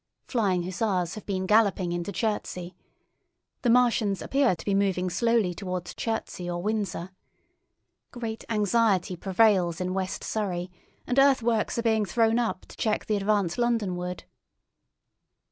Flying hussars have been galloping into Chertsey. The Martians appear to be moving slowly towards Chertsey or Windsor. Great anxiety prevails in West Surrey, and earthworks are being thrown up to check the advance Londonward."